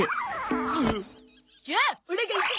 じゃあオラが行くゾ！